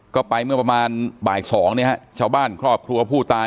ก็ไปเมื่อประมาณบ่ายสองเนี่ยฮะชาวบ้านครอบครัวผู้ตาย